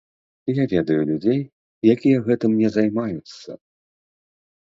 Я ведаю людзей, якія гэтым не займаюцца.